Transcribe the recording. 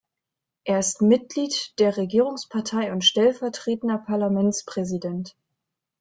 Er ist Mitglied der Regierungspartei und stellvertretender Parlamentspräsident.